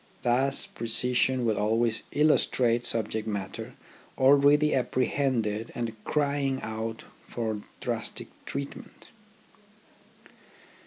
Thus precision will always illustrate subject matter already apprehended and crying out for drastic treatment.